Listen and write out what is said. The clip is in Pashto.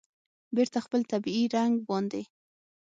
بېرته خپل طبیعي رنګ باندې